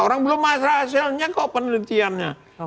orang belum masalah hasilnya kok penelitiannya